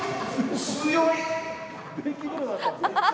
強い！